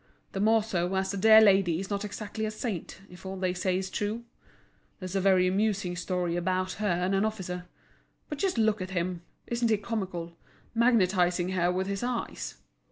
The more so as the dear lady is not exactly a saint, if all they say is true. There's a very amusing story about her and an officer. But just look at him! Isn't he comical, magnetising her with his eyes?